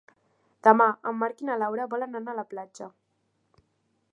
Demà en Marc i na Laura volen anar a la platja.